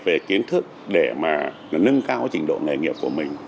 về kiến thức để mà nâng cao trình độ nghề nghiệp của mình